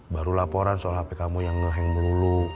baru laporan soal hp kamu yang ngeheng melulu